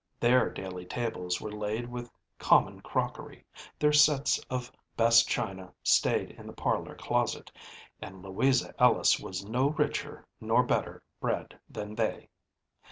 Their daily tables were laid with common crockery, their sets of best china stayed in the parlor closet, and Louisa Ellis was no richer nor better bred than they.